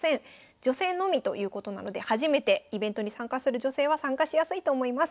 女性のみということなので初めてイベントに参加する女性は参加しやすいと思います。